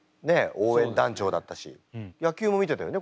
応援団長だったし野球も見てたよね